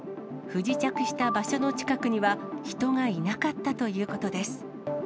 不時着した場所の近くには人がいなかったということです。